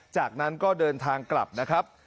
จากนั้นก็เดินทางกลับนะครับ